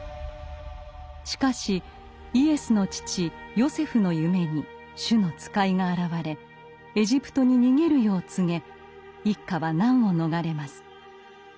しかしイエスの父ヨセフの夢に主の使いが現れエジプトに逃げるよう告げ一家は難を逃れます。